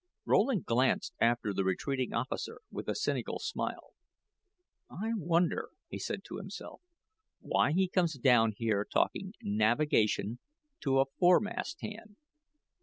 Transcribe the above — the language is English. Rowland glanced after the retreating officer with a cynical smile. "I wonder," he said to himself, "why he comes down here talking navigation to a foremast hand.